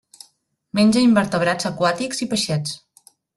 Menja invertebrats aquàtics i peixets.